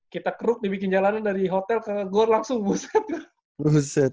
kita keruk dibikin jalannya dari hotel ke gor langsung busat